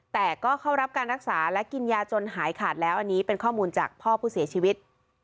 แต่ก็เข้ารับการรักษาและกินยาจนหายขาดแล้วอันนี้เป็นข้อมูลจากพ่อผู้เสียชีวิต